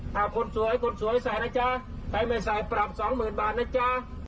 ถ้าคนสวยคนสวยใส่นะจ๊ะใครไม่ใส่ปรับสองหมื่นบาทนะจ๊ะ